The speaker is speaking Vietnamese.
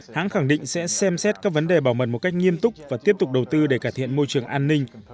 hãng khẳng định sẽ xem xét các vấn đề bảo mật một cách nghiêm túc và tiếp tục đầu tư để cải thiện môi trường an ninh